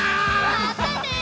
まったね！